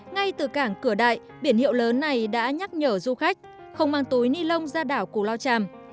ngay từ cảng cửa đại biển hiệu lớn này đã nhắc nhở du khách không mang túi ni lông ra đảo cù lao tràm